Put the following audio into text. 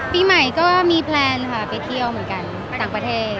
ปีใหม่ก็มีแพลนค่ะไปเที่ยวเหมือนกันต่างประเทศ